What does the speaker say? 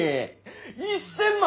１，０００万